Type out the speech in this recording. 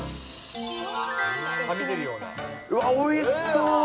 うわっ、おいしそう。